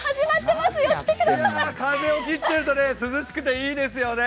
いや、風を切ってると涼しくていいですよね。